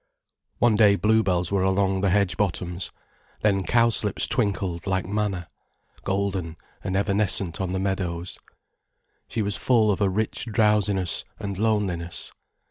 One day bluebells were along the hedge bottoms, then cowslips twinkled like manna, golden and evanescent on the meadows. She was full of a rich drowsiness and loneliness.